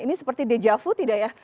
ini seperti dejavu tidak ya